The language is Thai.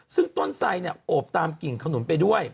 ซึ่งต้นไทยเนี่ยโอบตามกลิ่งขนุนไปด้วย